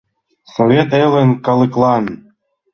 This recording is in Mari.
Совет элын калыклан.